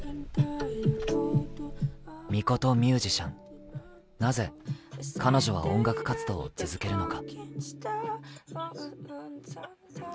巫女とミュージシャン、なぜ彼女は音楽活動を続けるのか。